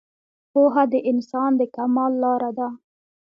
پوهه د انسان د کمال لاره ده